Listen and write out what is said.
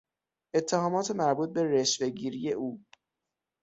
اتهامات مربوط به رشوهگیری او